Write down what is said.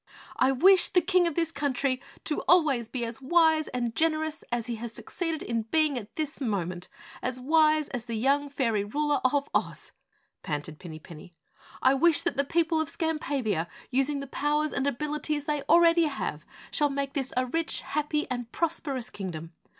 "I wish the King of this country to always be as wise and generous as he has succeeded in being at this moment, as wise as the young Fairy Ruler of Oz," panted Pinny Penny. "I wish that the people of Skampavia, using the powers and abilities they already have, shall make this a rich, happy, and prosperous Kingdom.